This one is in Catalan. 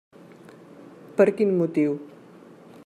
Per quin motiu?